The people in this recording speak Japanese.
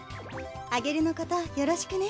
アゲルのことよろしくね。